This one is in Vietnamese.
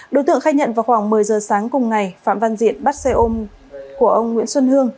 đối tượng khai nhận vào khoảng một mươi giờ sáng cùng ngày phạm văn diện bắt xe ôm của ông nguyễn xuân hương